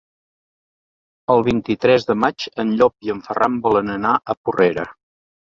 El vint-i-tres de maig en Llop i en Ferran volen anar a Porrera.